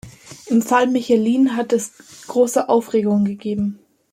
Im Fall Michelin hat es große Aufregung gegeben.